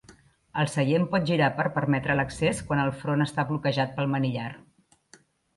El seient pot girar per permetre l'accés quan el front està bloquejat pel manillar.